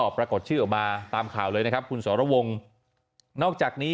ปรากฏชื่อออกมาตามข่าวเลยนะครับคุณสรวงนอกจากนี้